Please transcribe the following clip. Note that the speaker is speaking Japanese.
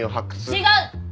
違う！